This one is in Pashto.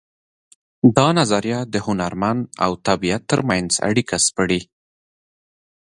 دا نظریه د هنرمن او طبیعت ترمنځ اړیکه سپړي